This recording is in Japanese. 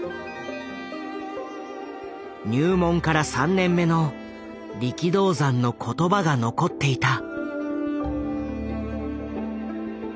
入門から３年目の力道山の言葉が残っていた。